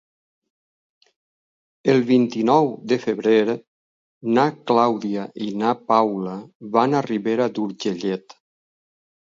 El vint-i-nou de febrer na Clàudia i na Paula van a Ribera d'Urgellet.